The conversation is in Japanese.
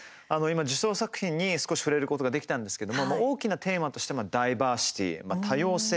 今、受賞作品に少し触れることができたんですけれども大きなテーマとしてダイバーシティー、多様性